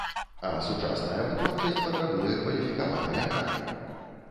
А сучасная вытворчасць патрабуе кваліфікаваныя кадры.